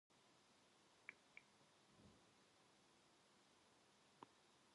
그리고 마치 벽돌 질 때와 같이 힘이 쥐어지고 전신에서 경련이 무섭게 일었다.